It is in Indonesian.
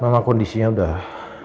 mama kondisinya udah